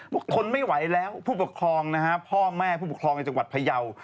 ทนไม่ไหวแล้วผู้ปกครองนะฮะพ่อแม่ผู้ปกครองในจังหวัดพยาว